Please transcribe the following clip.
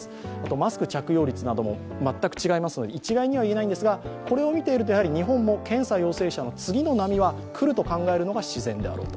マスク着用率なども全く違いますので一概には言えませんがこれを見ていると、日本も検査陽性者の次の波は来ると考えるのが自然であると。